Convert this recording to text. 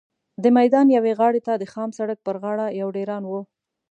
د میدان یوې غاړې ته د خام سړک پر غاړه یو ډېران و.